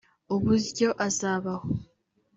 uburyo azabaho